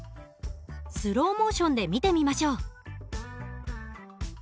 スローモーションで見てみましょう。